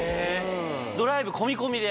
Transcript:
ドライブ込み込みで。